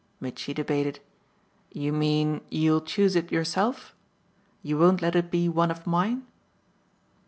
Mitchy debated. "You mean you'll choose it yourself? You won't let it be one of mine?"